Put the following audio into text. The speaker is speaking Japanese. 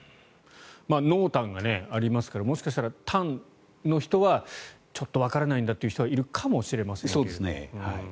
濃淡がありますからもしかしたら淡の人はちょっとわからないんだという人はいるかもしれませんけど。